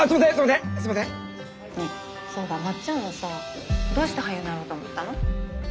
ねえそうだまっちゃんはさどうして俳優になろうと思ったの？